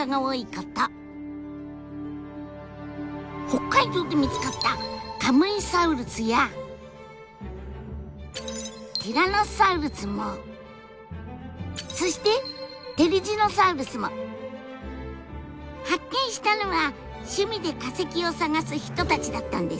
北海道で見つかったカムイサウルスやティラノサウルスもそしてテリジノサウルスも発見したのは趣味で化石を探す人たちだったんです。